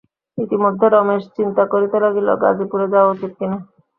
ইতিমধ্যে রমেশ চিন্তা করিতে লাগিল, গাজিপুরে যাওয়া উচিত কি না।